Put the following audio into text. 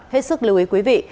hết sức lưu ý quý vị